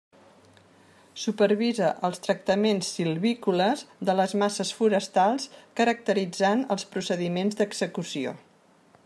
Supervisa els tractaments silvícoles de les masses forestals caracteritzant els procediments d'execució.